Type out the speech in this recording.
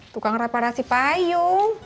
tukang reparasi payung